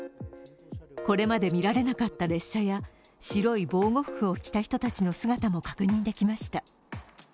これまで見られなかった列車や白い防護服を着た人たちの姿も確認できました。